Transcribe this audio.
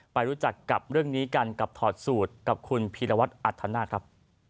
ไปรู้จักกับเรื่องนี้กันกับถอดสูตรกับคุณพีรวัตรอัธนาคครับ